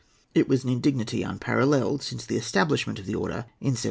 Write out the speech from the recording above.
It was an indignity unparalleled since the establishment of the order in 1725.